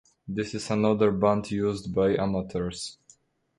This is another band used by amateurs.